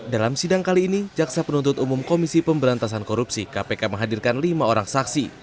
dalam sidang kali ini jaksa penuntut umum komisi pemberantasan korupsi kpk menghadirkan lima orang saksi